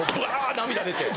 涙出て。